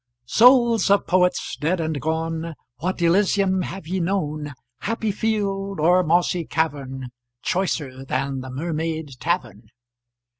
Souls of Poets dead and gone, What Elysium have ye known, Happy field or mossy cavern, Choicer than the Mermaid Tavern?